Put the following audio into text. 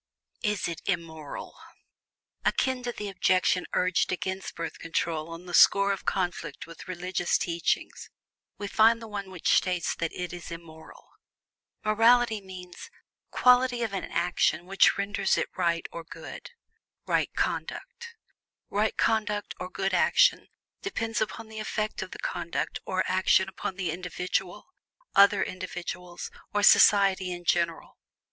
IS IT IMMORAL? Akin to the objection urged against Birth Control on the score of conflict with religious teachings, we find the one which states that "it is IMMORAL." Morality means "quality of an action which renders it right or good; right conduct." Right conduct or "good" action depends upon the effect of the conduct or action upon the individual, other individuals, or society in general.